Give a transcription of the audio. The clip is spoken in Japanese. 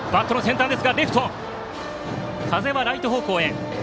風はライト方向。